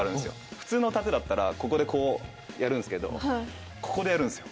普通の殺陣だったらここでこうやるんですけどここでやるんですよ